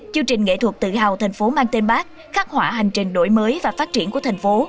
chương trình nghệ thuật tự hào thành phố mang tên bác khắc họa hành trình đổi mới và phát triển của thành phố